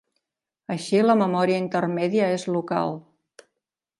Així, la memòria intermèdia és local.